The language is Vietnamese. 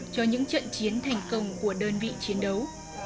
cho những trận chiến thành công của đơn vị chiến đấu